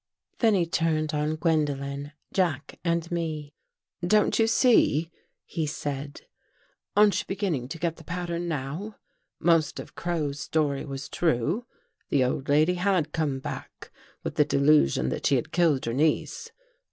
Then he turned on Gwendolen, Jack and me. "Don't you see?" he said. "Aren't you begin ning to get the pattern now? Most of Crow's story was true. The old lady had come back with the delusion that she had killed her niece.